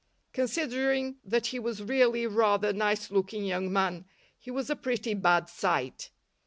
Considering that he was really rather a nice looking young man, he was a pretty bad sight.